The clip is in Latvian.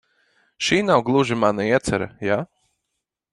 Šī nav gluži mana iecere, ja?